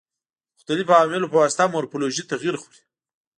د مختلفو عواملو په واسطه مورفولوژي تغیر خوري.